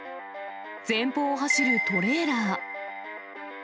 前方を走るトレーラー。